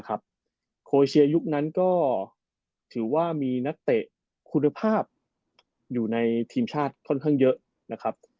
โคราชียุคนั้นก็ถือว่ามีนัตเตะคุณภาพอยู่ในทีมชาติที่ที่ใหญ่ค่อนข้างเยอะ